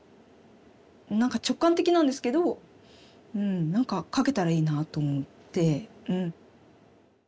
何か直感的なんですけどうん何か描けたらいいなと思って。